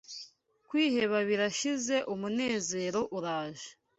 Kwiheba birashize umunezero uraje